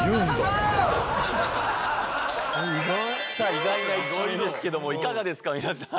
意外な一面ですけどもいかがですか皆さん。